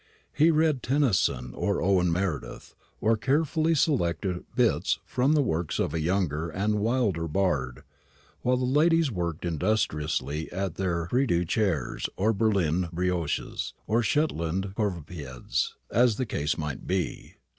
He read Tennyson or Owen Meredith, or carefully selected "bits" from the works of a younger and wilder bard, while the ladies worked industriously at their prie dieu chairs, or Berlin brioches, or Shetland couvrepieds, as the case might be.